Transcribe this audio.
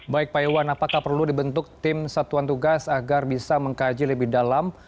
baik pak iwan apakah perlu dibentuk tim satuan tugas agar bisa mengkaji lebih dalam